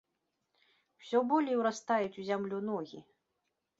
Усё болей урастаюць у зямлю ногі.